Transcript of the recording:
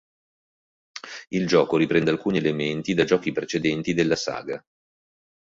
Il gioco riprende alcuni elementi da giochi precedenti della saga.